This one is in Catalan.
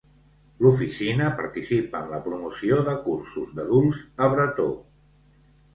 L'Oficina participa en la promoció de cursos d'adults a bretó.